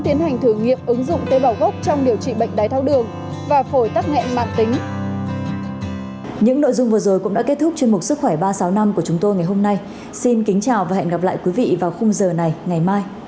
xin kính chào và hẹn gặp lại quý vị vào khung giờ này ngày mai